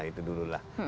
ya itu dululah